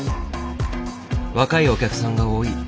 若いお客さんが多い。